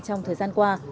trong thời gian qua